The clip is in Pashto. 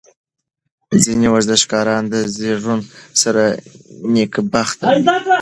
ځینې ورزشکاران د زېږون سره نېکبخته وي.